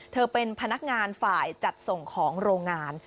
เธอเป็นพนักงานฝ่ายจัดส่งของโรงงาน